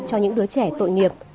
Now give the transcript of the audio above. cho những đứa trẻ tội nghiệp